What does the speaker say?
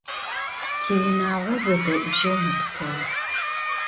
Tiunağo zede'ujeu mepseu.